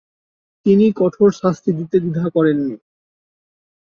তিনি কঠোর শাস্তি দিতে দ্বিধা করেননি।